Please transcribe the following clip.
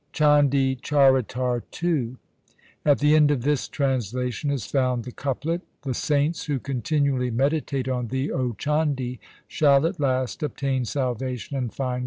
Chandi Charitar II At the end of this translation is found the couplet :— The saints who continually meditate on thee, O Chandi, Shall at last obtain salvation and find God as their reward.